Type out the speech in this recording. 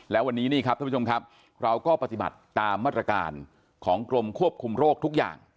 แล้ววันนี้นี่ครับท่านผู้ชมครับเราก็ปฏิบัติตามมาตรการของกรมควบคุมโรคทุกอย่าง